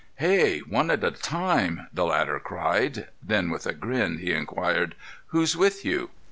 "Hey! One at a time!" the latter cried. Then with a grin he inquired, "Who's with you?"